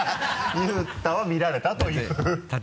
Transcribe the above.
佑太は見られたという